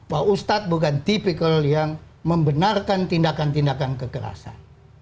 bahwa ustadz bukan tipikal yang membenarkan tindakan tindakan kekerasan